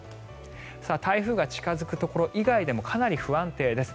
台風が近付くところ以外でもかなり不安定です。